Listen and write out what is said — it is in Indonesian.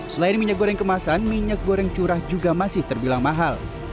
selain minyak goreng kemasan minyak goreng curah juga masih terbilang mahal